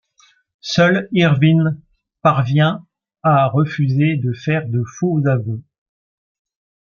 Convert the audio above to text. Seul Irvin parvient à refuser de faire de faux aveux.